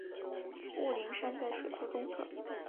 雾灵山在水库东侧。